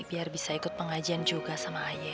biar bisa ikut pengajian juga sama aye